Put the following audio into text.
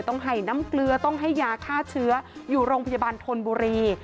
ต้องให้น้ำเกลือต้องให้ยาฆ่าเชื้ออยู่โรงพยาบาลธนบุรี